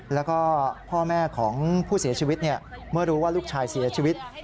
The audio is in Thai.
แล้วก็พ่อแม่ของผู้เสียชีวิตเมื่อรู้ว่าลูกชายเสียชีวิต